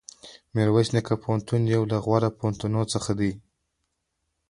میرویس نیکه پوهنتون یو له غوره پوهنتونونو څخه دی.